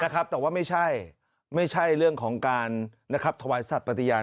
แต่ว่าไม่ใช่ไม่ใช่เรื่องของการทะวายสัตว์ประตยาน